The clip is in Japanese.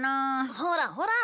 ほらほら！